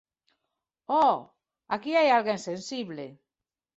Oh, aquí hai alguén sensible.